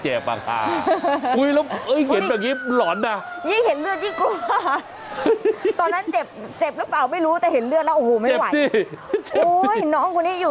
เอ้าไปดูค่ะ